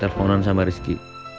teleponan sama rizky